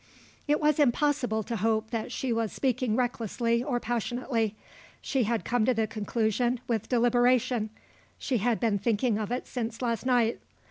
It was impossible to hope that she was speaking recklessly or passionately. She had come to the conclusion with deliberation; she had been thinking of it since last night.